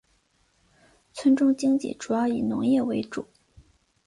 村中经济主要以农业为主。